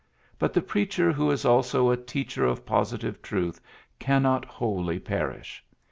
But the preacher who is abo a teacher of positive truth cannot wholly perish.